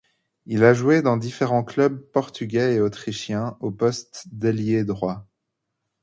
Il a joué dans différents clubs portugais et autrichien au poste d'ailier droit.